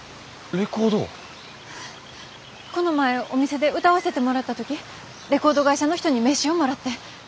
この前お店で歌わせてもらった時レコード会社の人に名刺をもらって。